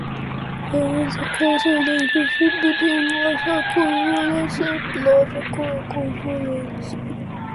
There is a close relationship between material equivalence and logical equivalence.